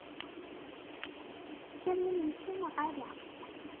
Teččam imensi neɣ ala?